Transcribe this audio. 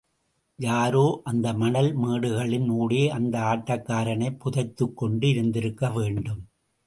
யாரோ, அந்த மணல் மேடுகளின் ஊடே அந்த ஆட்டக் காரனைப் புதைத்துக் கொண்டு இருந்திருக்க வேண்டும்.